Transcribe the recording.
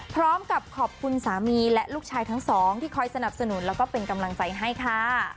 พร้อมกับขอบคุณสามีและลูกชายทั้งสองที่คอยสนับสนุนแล้วก็เป็นกำลังใจให้ค่ะ